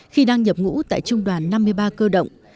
khi đang nhập ngũ tại trung đoàn năm mươi ba cơ động